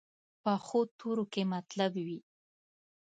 پخو تورو کې مطلب وي